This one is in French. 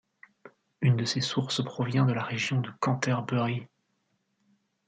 Une de ses sources provient de la région de Canterbury.